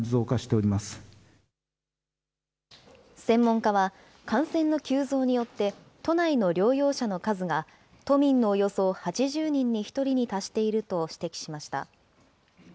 専門家は、感染の急増によって都内の療養者の数が都民のおよそ８０人に１人に達していると指摘しました。